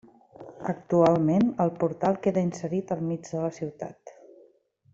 Actualment el portal queda inserit al mig de la ciutat.